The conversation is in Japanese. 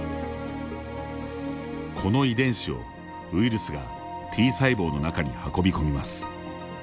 この遺伝子を、ウイルスがＴ細胞の中に運び込みます。